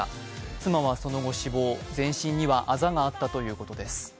妻はその後、死亡、全身にはあざがあったということです。